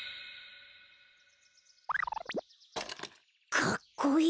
かっこいい！